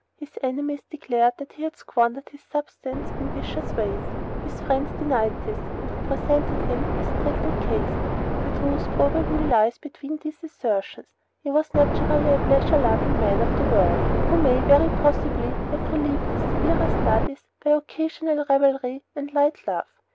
His enemies declared that he had squandered his substance in vicious ways. His friends denied this, and represented him as strict and chaste. The truth probably lies between these two assertions. He was naturally a pleasure loving man of the world, who may very possibly have relieved his severer studies by occasional revelry and light love.